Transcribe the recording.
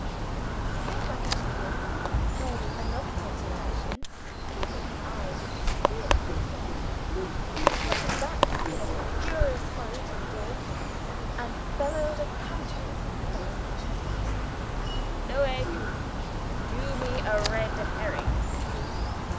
He came back into the room held another consultation, keeping his eyes severely fixed on me strutted back in a furious hurry to the door and bellowed a counter order down the kitchen stairs, "No egg! Do me a red herring!"